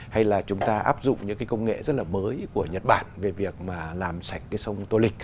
hay là chúng ta áp dụng những cái công nghệ rất là mới của nhật bản về việc mà làm sạch cái sông tô lịch